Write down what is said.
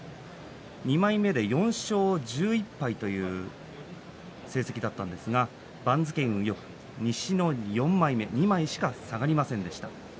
２枚目で４勝１１敗という成績だったんですが番付の運がよく、西の４枚目２枚しか下がりませんでした。